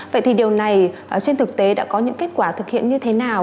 vậy thì điều này trên thực tế đã có những kết quả thực hiện như thế nào